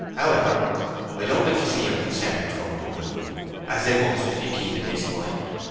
However, I don't like to see your concerns going to ruin, as they must if you keep in this mind....